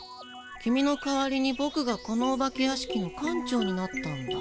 キミの代わりにボクがこのお化け屋敷の館長になったんだ。